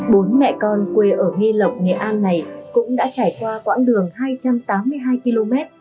bốn mẹ con quê ở nghi lộc nghệ an này cũng đã trải qua quãng đường hai trăm tám mươi hai km